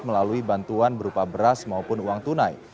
melalui bantuan berupa beras maupun uang tunai